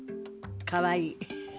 かわいい。